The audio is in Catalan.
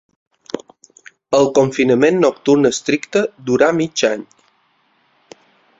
El confinament nocturn estricte durà mig any.